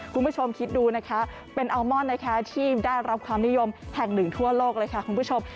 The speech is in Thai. คุณผู้ชมคิดดูนะคะเป็นอัลมอนนะคะที่ได้รับความนิยมแห่งหนึ่งทั่วโลกเลยค่ะคุณผู้ชม